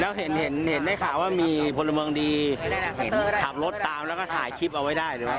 แล้วเห็นให้ข่าวว่ามีพลเมืองดีขับรถตามแล้วก็ถ่ายคลิปเอาไว้ได้หรือเปล่า